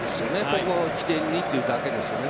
ここを起点にというだけですよね。